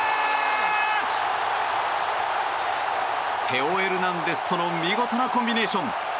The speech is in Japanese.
テオ・エルナンデスとの見事なコンビネーション。